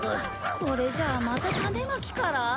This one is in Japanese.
これじゃあまた種まきから？